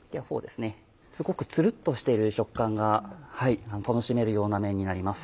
すごくツルっとしている食感が楽しめるような麺になります。